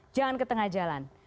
jangan ke tengah jalan